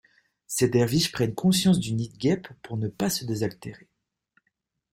Ces derviches prennent conscience du nid de guêpes pour ne pas se désaltérer.